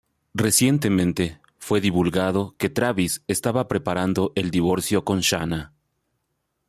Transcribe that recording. Recientemente, fue divulgado que Travis estaba preparando el divorcio con Shanna.